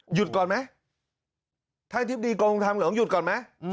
หยุดก่อนไหมถ้าทิศดีกองค์ทำเหลืองหยุดก่อนไหม